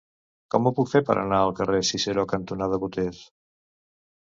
Com ho puc fer per anar al carrer Ciceró cantonada Boters?